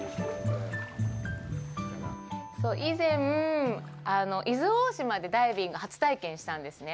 以前、伊豆大島でダイビング初体験したんですね。